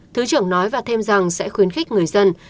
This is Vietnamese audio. thứ trưởng nói và thêm rằng sẽ khuyến khích người dân